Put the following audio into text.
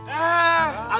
eh eh raya